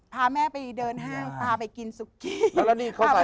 พาแม่ไปเดินห้างพาไปกินซุกี้